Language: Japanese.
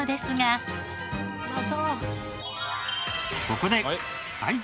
ここで。